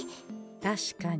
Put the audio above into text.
確かに。